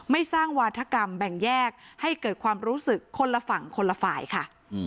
สร้างวาธกรรมแบ่งแยกให้เกิดความรู้สึกคนละฝั่งคนละฝ่ายค่ะ